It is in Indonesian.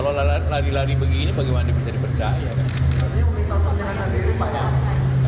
kalau lari lari begini bagaimana bisa dipercaya